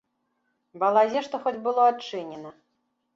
Балазе што хоць было адчынена.